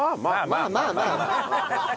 まあまあまあ。